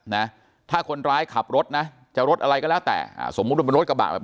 นะถ้าคนร้ายขับรถนะจะรถอะไรก็แล้วแต่สมมุติรถกระบาดแบบ